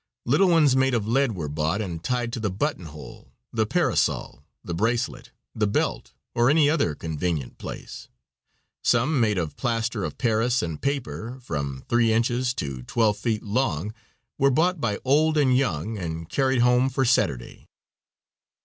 Little ones made of lead were bought and tied to the button hole, the parasol, the bracelet, the belt, or any other convenient place. Some made of plaster of Paris and paper, from three inches to twelve feet long, were bought by old and young and carried home for Saturday.